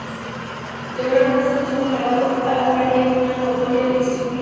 Lograron un estatus más elevado, a la par que una notoria utilización política.